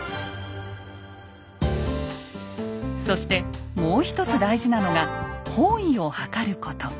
そしてもう一つ大事なのが「方位」を測ること。